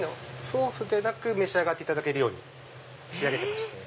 ソースでなく召し上がれるように仕上げてまして。